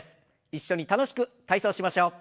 一緒に楽しく体操しましょう。